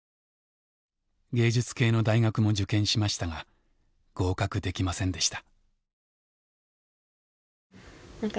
芸術系の大学も受験しましたが合格できませんでした。